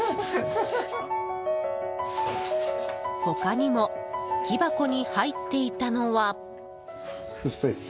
他にも木箱に入っていたのは。